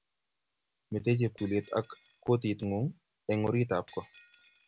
Mete chepkulet ak koti ngung eng orit ab ko